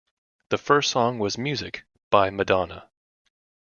The first song was "Music" by Madonna.